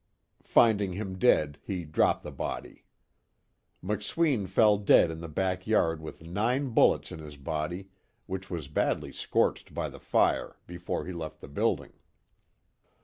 Finding him dead he dropped the body. McSween fell dead in the back yard with nine bullets in his body, which was badly scorched by the fire, before he left the building.